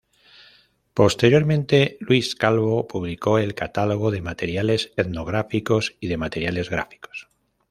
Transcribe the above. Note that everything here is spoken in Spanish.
Posteriormente, Luis Calvo publicó el catálogo de materiales etnográficos y de materiales gráficos.